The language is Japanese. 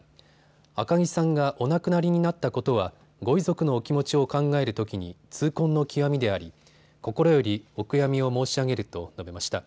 赤木さんがお亡くなりになったことはご遺族のお気持ちを考えるときに痛恨の極みであり心よりお悔やみを申し上げると述べました。